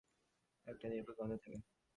গুহাগুলোর বেশ একটা নিরপেক্ষ গন্ধ থাকে।